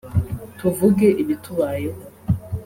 tuvuge ibitubayeho